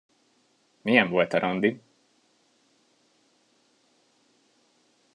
Milyen volt a randi?